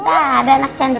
dadah anak cantik